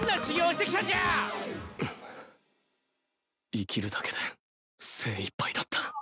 生きるだけで精いっぱいだった。